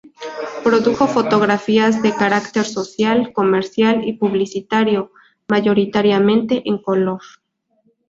Produjo fotografías de carácter social, comercial y publicitario, mayoritariamente en color.